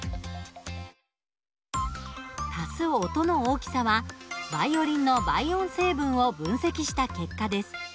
足す音の大きさはバイオリンの倍音成分を分析した結果です。